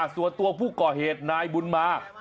ส่วนตัวผู้ก่อเหตุนายบุญมา